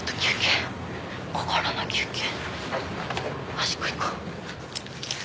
端っこ行こう。